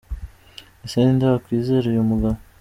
Ese ninde wakwizera uyu mugabo ?